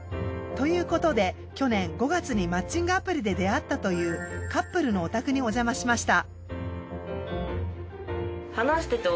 ということで去年５月にマッチングアプリで出会ったというカップルのお宅におじゃましました。